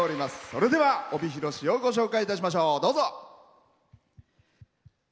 それでは帯広市をご紹介いたしましょう。